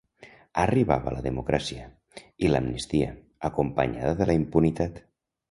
Arribava la democràcia, i l’amnistia, acompanyada de la impunitat.